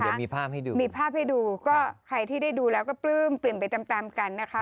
เดี๋ยวมีภาพให้ดูมีภาพให้ดูก็ใครที่ได้ดูแล้วก็ปลื้มปริ่มไปตามตามกันนะคะ